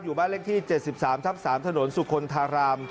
อยู่บ้านเลขที่๗๓๓ถนนสุขนธาราม